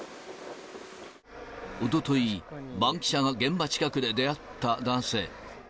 おととい、バンキシャが現場近くで出会った男性。